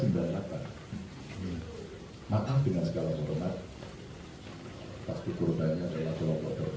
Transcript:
maaf dengan segala perkembangan pasti kurutannya adalah kelompok tertentu